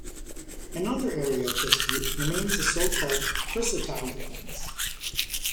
Another area of dispute remains the so-called chrysotile-defense.